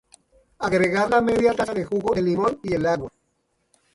Agregar la media taza de jugo de limón y el agua.